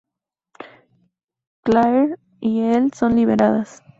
Claire y Elle son liberadas.